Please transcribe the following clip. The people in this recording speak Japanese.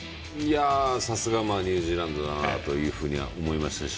さすがニュージーランドだなというふうに思いましたし。